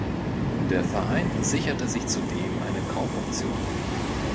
Der Verein sicherte sich zudem eine Kaufoption.